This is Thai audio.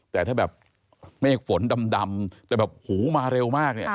แต่ถ้าเมฆฝนดำแต่หูมาเร็วมาก